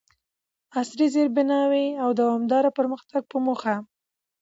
عصري زیربناوو او دوامداره پرمختګ په موخه،